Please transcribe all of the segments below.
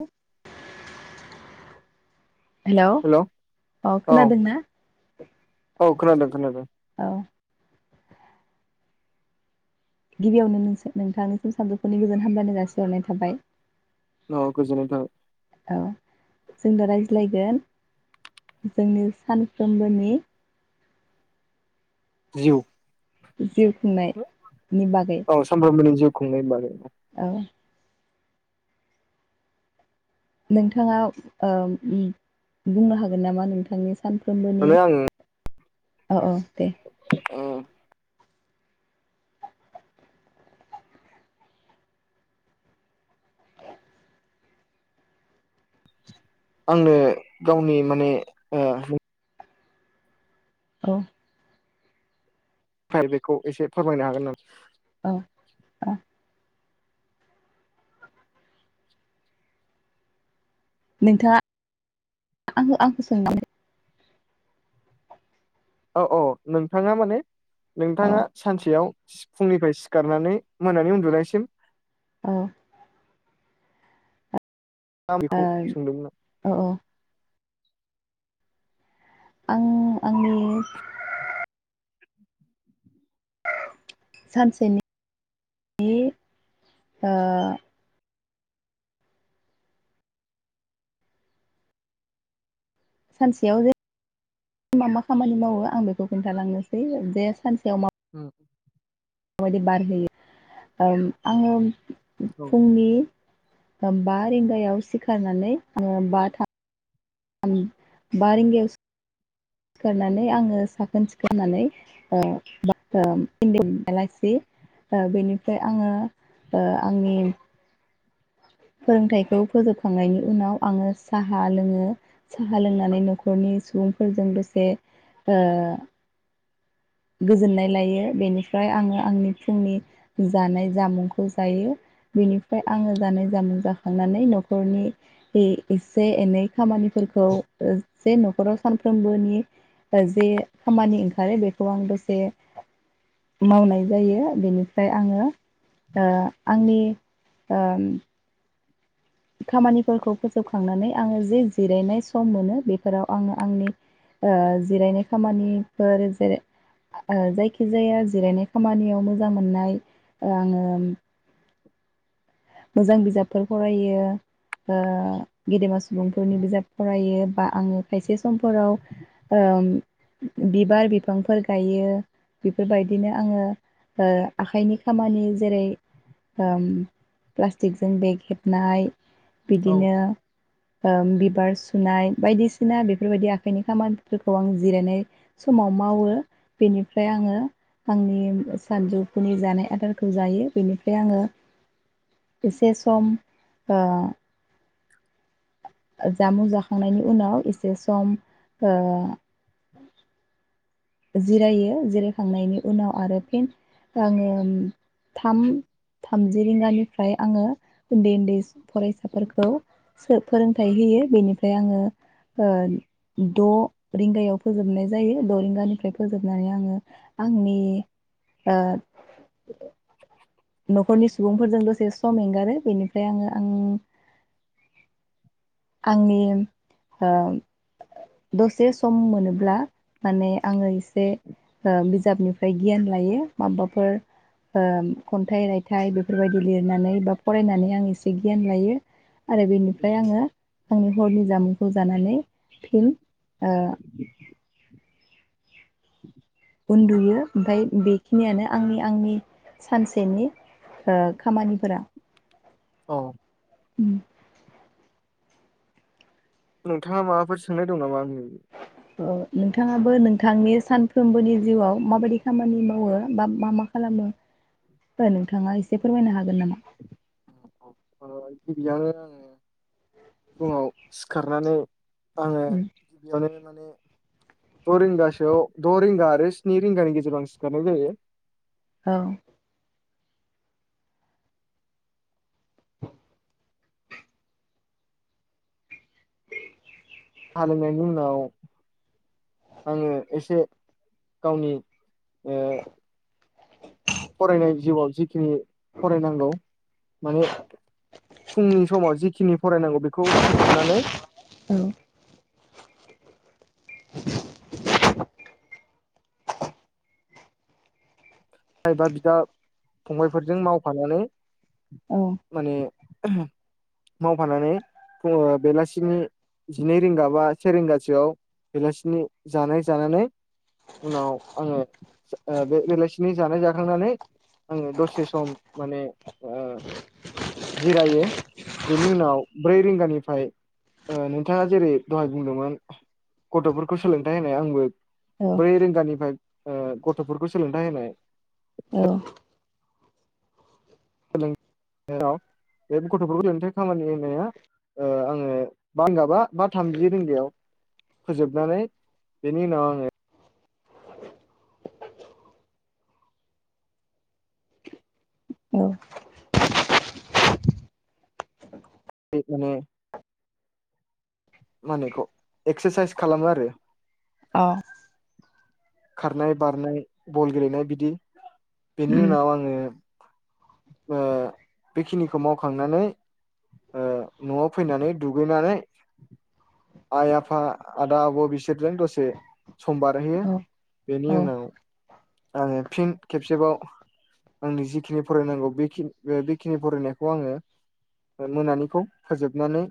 [unintelligible] Hello hello औ अ खोनादों ना? औ खोनादों खोनादों। गिबियावनो नों नोंथांनिसिम सानजुफुनि गोजोन हामबलायनाय जासिहरनाय थाबाय। न गोजोननाय थाबाय। जोंनो रायज्लायगोन जोंनि सानफ्रोमबोनि जिउ जिउ खुंनायनि बागै औ सामफ्रामबोनि जिउ खुंनाय बागै। औ नोंथाङा ओ बुंनो हागोन नामा नोंथांनि सानफ्रोमबोनि माने आं औ औ दे ओ आंनो गावनि माने ओ औ फाइल बेखौ एसे फोरमायनो हागोन नामा? औ अ नोंथाङा आंखो आंखो होन्नानै औ औ नोंथाङा माने औ नोंथाङा सानसेयाव सि फुंनिफ्राय सिखारनानै मोनानि उनदुनायसिम औ आं बेखौ सोंदोंमोन आं। औ औ आं आंनि सानसेनि ओ सानसेयाव जे मा मा खामानि मावो आं बेखौ खोनथालांनोसै जे सानसेयाव ओम बादि बार होयो ओम आङो औ फुंनि बा रिंगायाव सिखारनानै आङो बा थाम बा रिंगायाव सिखारनानै आङो साखोन-सिखोन होननानै ओ इणडयान आलासि बेनिफ्राय आङो ओ आंनि फोरोंथाइखौ फोजोबखांनायनि उनाव आङो साहा लोङो। साहा लोंनानै न'खरनि सुबुंफोरजों बे से ओ गोजोननाय लायो बेनिफ्राय आङो आंनि फुंनि जानाय जामुंखौ जायो बिनिफ्राय आङो जानाय जामुं जाखांनानै न'खरनि इसे एनै खामानिफोरखौ जे न'खराव सानफ्रोमबोनि जे खामानि ओंखारो बे खौ आं दसे मावनाय जायो बेनिफ्राय आङो ओ आंनि ओ खामानिफोरखौ फोजोबखांनानै आङो जे जिरायनाय सम मोनो बेफोराव आङो आंनि ओ जिरायनाय खामानिफोर जेरै जायखिजाया जिरायनाय खामानियाव मोजां मोननाय ओ आङो मोजां बिजाबफोर फरायो ओ गेदेमा सु सुबुंफोरनि बिजाब फरायो बा आङो खायसे समफोराव ओम बिबार बिफांफोर गायो बेफोरबायदिनो आङो ओ आखाइनि खामानि जेरै ओम प्लास्टिकजों बेग हेबनाय औ बिदिनो ओम बिबार सुनाय बायदिसिना बेफोरबायदि आखाइनि खामानिफोरखौ आं जिरायनाय समाव मावो बेनिफ्राय आङो आंनि सानजौफुनि जानाय आदारखौ जायो बेनिफ्राय आङो एसे सम ओ जामुं जाखांनायनि उनाव एसे सम ओ जिरायो जिरायखांनायनि उनाव आरो फिन आङो थाम थामजि रिंगानिफ्राय आङो उन्दै उन्दै फरायसाफोरखौ फोरोंथाइ होयो बेनिफ्राय आङो ओ द' रिंगायाव फोजोबनाय जायो द' रिंगानि फ्राय फोजोबनानै आङो आंनि ओ न'खरनि सुबुंफोरजों दसे सम एंगारो बेनिफ्राय आङो आं आंनि ओ दसे सम मोनोब्ला माने आङो एसे ओ बिजाबनिफ्राय गियान लायो माबाफोर ओ खन्थाइ रायथाइ बेफोरबायदि लिरनानै बा फरायनानै आं एसे गियान लायो। आरो बेनिफ्राय आङो आंनि हरनि जामुंखौ जानानै फिन ओ उन्दुयो ओमफ्राय बेखिनियानो आंनि आंनि सानसेनि ओ खामानिफोरा। औ उम नोंथाङा माबाफोर सोंनाय दं नामा आंनि? ओ नोंथाङाबो नोंथांनि सानफ्रोमबोनि जिउआव माबायदि खामानि मावो बा मा मा खालामो नोंथाङा एसे फोरमायनो हागोन नामा? ओ गिबियावनो आङो फुङाव सि खारनानै आङो गिबियावनो माने द' रिंगासोआव द' रिंगा आरो स्नि रिंगानि गेजेराव आं सिखारनाय जायो। औ हालेवनायनि उनाव आङो एसे गावनि ओ दे फरायनाय जिउआव जिखिनि फरायनांगौ माने फुंनि समाव जिखिनि फरायनांगौ बेखौ फोजोबनानै औ बिफा एबा बिदा फंबायफोरजों मावफानानै औ माने मावफानानै बेलासिनि जिनै रिंगा बा से रिंगासोआव बेलासिनि जानाय जानानै उनाव आङो ओ बे बेलासि नि जानाय जाखांनानै आङो दसे सम माने ओ जिरायो बेनि उनाव ब्रै रिंगानिफ्राय ओ नोंथाङा जेरै दहाय बुंदोंमोन गथ'फोरखौ सोलोंथाइ होनाय आंबो औ ब्रै रिंगानिफ्राय ओ गथ'फोरखौ सोलोंथाइ होनाय औ सोलोंथाइ बे गथ' सोलोंथाइ खामानि होनाया ओ आङो बा रिंगा बा बा थामजि रिंगायाव फोजोबनानै बेनि उनाव आङो औ बे माने मा होनो एखौ एक्सारसाइस खालामो आरो। औ खारनाय बारनाय बल गेलेनाय बिदि, बेनि उनाव आङो बेखिनिखौ मावखांनानै न'आव फैनानै दुगैनानै आइ आफा आदा आब' बिसोरजों दसे सम बारहैयो। औ बेनि उनाव आङो फिन खेबसेबाव आंनि जिखिनि फरायनांगौ‌बेखिनि फरायनायखौ आङो मोनानिखौ फोजोबनानै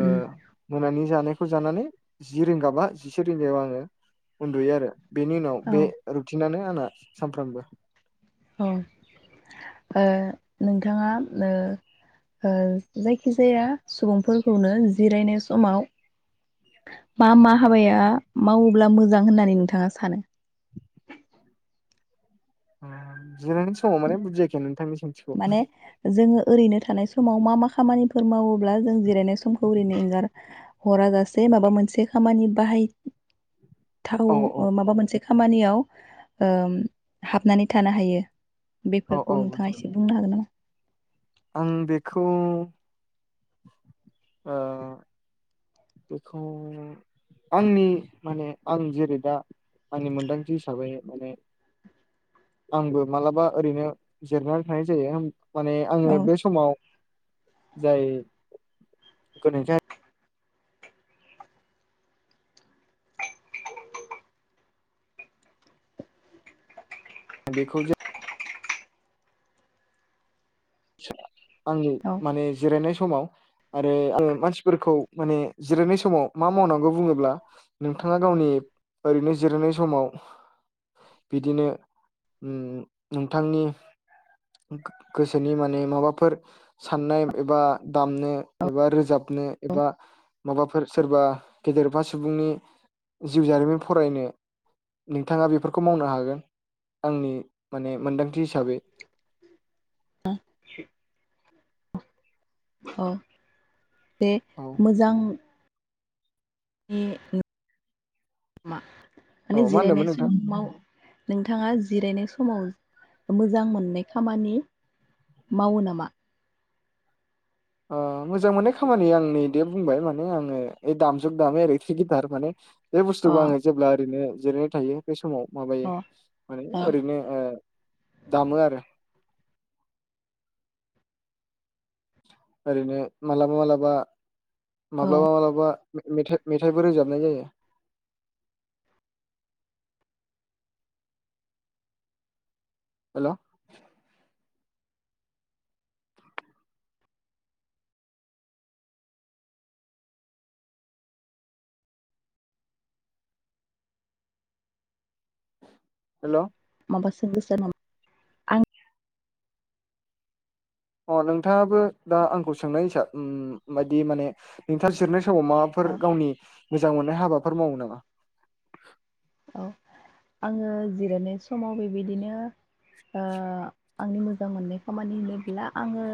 ओ मोनानि जानायखौ जानानै जि रिंगा बा जिसे रिंगायाव आङो उन्दुयो आरो। बेनि उनाव बे औ रुथिनानो आंना सानफ्रामबो अ ओ नोंथाङा ओ जायखिजाया सुबुंफोरखौनो जिरायनाय समाव मा मा हाबाया मावोब्ला मोजां होननानै नोंथाङा सानो? ओ जिरानाय समाव माने बुजिखै नोंथांनि सोंथिखौ माने जोङो ओरैनो थानाय सम समाव मा मा खामानिफोर मावो? अब्ला जों जिरायनाय समखौ ओरैनो एंगार हराजासे माबा मोनसे खामानि बाहाय थाव औ औ माबा मोनसे खामानियाव ओ हाबनानै थानो हायो। औ बेफोरखौ औ [inaudible] नोंथाङा [inaudible] आं बेखौ ओ बेखौ आंनि माने आं जेरै दा आंनि मोनदांथि हिसाबै मानि आंबो मालाबा ओरैनो जिरनानै थानाय जायो माने औ आङो बे समाव जायो [inaudible] बेखौ जों आ [inaudible] आंनि औ मानि जिरायनाय समाव आरो आं मानसिफोरखौ माने जिरायनाय समाव मा मावनांगौ बुङोब्ला नोंथाङा गावनि ओरैनो जिरायनाय समाव बिदिनो उम नोंथांनि गोसो नि माने माबाफोर साननाय एबा दामनो एबा रोजाबनो एबा माबाफोर सोरबा गेदेरफा सुबुंनि जिउ जारिमिन फरायनो नोंथांआ बेफोरखौ मावनो हागोन आंनि माने मोन्दांथि हिसाबै औ [inaudible] बे औ मोजां [unintelligible] औ माने मा जिरायनाय होनदोंमोन नोंथां सम आव नोंथाङा जिरायनाय समाव मोजां मोननाय खामानि मावो नामा ओ मोजां मोननाय खामानि आंनि दे बुंबाय माने आङो ओ दामजुग दामो ओरैथ्रि गिटार माने बे अ बुस्थुखौ आङो जेब्ला ओरैनो जिरायनाय थायो बे समाव माबायो अ माने ओरैनो ओ दामो आरो ओरैनो मालाबा मालाबा औ माब्लाबा मालाबा मेथाइ-मेथाइबो रोजाबनाय जायो हेल' हेल' माबा [unintelligible] अ नोंथाङाबो दा आंखौ सोंनाय हिसाब ओ बायदि माने नोंथां सिरनो समाव माबाफोर औ गावनि मोजां मोननाय हाबाफोर मावो नामा औ आङो जिरायनाय समाव बेबायदिनो ओ आंनि मोजां मोननाय खामानि होनोब्ला आङो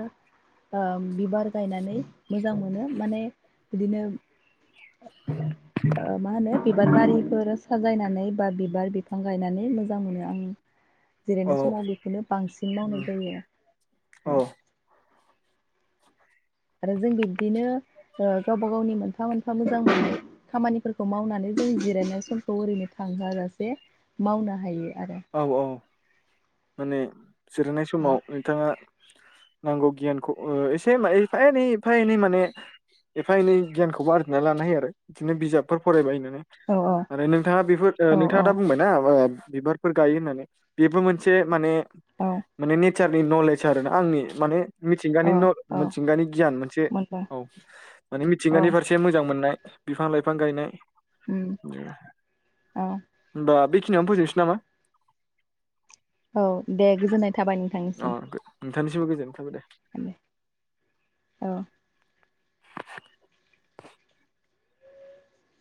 ओ बिबार गायनानै मोजां मोनो माने बिदिनो ओ मा होनो बिबार बारिफोर साजायनानै बा बिबार बिफां गायनानै मोजां मोनो आङो जिरायनाय औ समाव बेखौनो बांसिन मावनाय औ जायो आरो औ आरो जों बिब्दिनो ओ गावबा गावनि मोनफा मोनफा मोजां खामानिफोरखौ मावनानै जों जिरायनाय समखौ ओरैनो थांहोआजासे मावनो हायो आरो औ औ माने जिरनाय समाव नोंथाङा नांगौ गियानखौ एसे एफा एनै एफा एनै माने एफा एनै गियानखौबो आरजिनानै लानो हायो आरो बिदिनो बिजाबफोर फरायबायनो ओ औ आरो नोंथाङा बेफोर औ नोंथाङा दा बुंबायना। बिबार फोर गायो होननानै बेबो मोनसे माने औ माने टिचार नि नलेज आरो ना आंनि माने औ मिथिंगानि न औ मिथिंगानि गियान मोनसे मोनदों औ माने औ मिथिंगानि फारसे मोजां मोननाय बिफां लाइफां गायनाय उम औ दा बि बिखियावनो फोजोबसै नामा? औ दे गोजोननाय थाबाय नोंथांनिसिम। नोंथांनिनसिबो गोजोननाय थाबाय दे औ